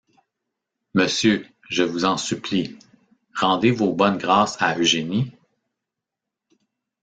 Monsieur, je vous en supplie, rendez vos bonnes grâces à Eugénie?...